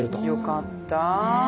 よかった。